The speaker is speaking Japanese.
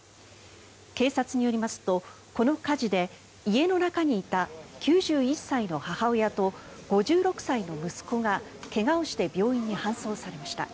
警察によりますと、この火事で家の中にいた９１歳の母親と５６歳の息子が怪我をして病院に搬送されました。